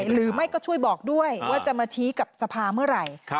หรือไม่ก็ช่วยบอกด้วยว่าจะมาชี้กับสภาเมื่อไหร่